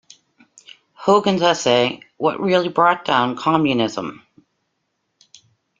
Hogan's essay What Really Brought Down Communism?